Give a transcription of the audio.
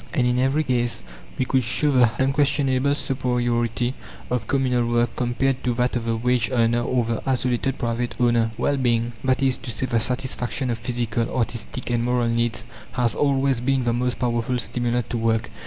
And in every case we could show the unquestionable superiority of communal work compared to that of the wage earner or the isolated private owner. Well being that is to say, the satisfaction of physical, artistic, and moral needs, has always been the most powerful stimulant to work.